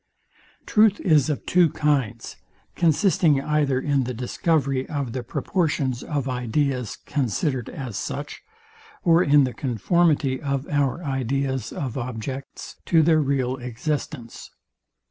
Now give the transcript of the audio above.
Truth is of two kinds, consisting either in the discovery of the proportions of ideas, considered as such, or in the conformity of our ideas of objects to their real existence.